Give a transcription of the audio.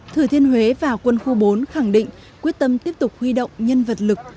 thừa thiên huế và quân khu bốn khẳng định quyết tâm tiếp tục huy động nhân vật lực